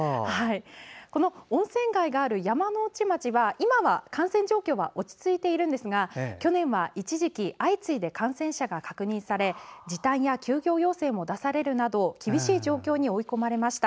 この温泉街がある山ノ内町は今は感染状況は落ち着いているんですが去年は一時期相次いで感染者が確認され時短や休業要請も出されるなど厳しい状況に追い込まれました。